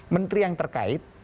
menteri yang terkait